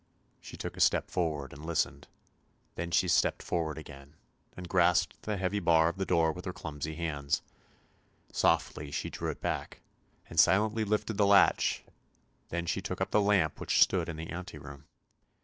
She took a step forward and listened, then she stepped forward again and grasped the heavy bar of the door with her clumsy hands. Softly she drew it back, and silently lifted the latch, then she took up the lamp which stood in the ante room.